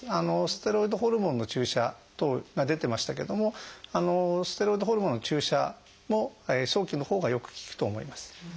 ステロイドホルモンの注射等が出てましたけどもステロイドホルモンの注射も早期のほうがよく効くと思います。